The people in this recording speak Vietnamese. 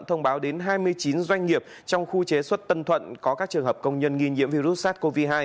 thông báo đến hai mươi chín doanh nghiệp trong khu chế xuất tân thuận có các trường hợp công nhân nghi nhiễm virus sars cov hai